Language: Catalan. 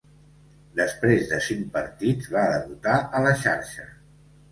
Després de cinc partits va debutar a la xarxa.